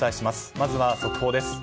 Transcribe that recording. まずは速報です。